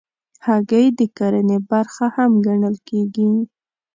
هګۍ د کرنې برخه هم ګڼل کېږي.